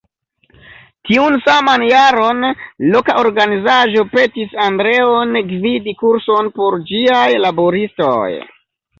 Tiun saman jaron, loka organizaĵo petis Andreon gvidi kurson por ĝiaj laboristoj.